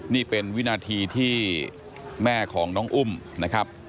นี่เป็นวินาทีที่แม่ของน้องอุ้มนะครับ